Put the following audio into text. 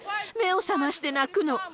目を覚まして泣くの。